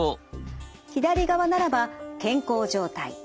左側ならば健康状態。